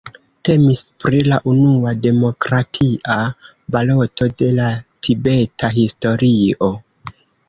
Temis pri la unua demokratia baloto de la tibeta historio.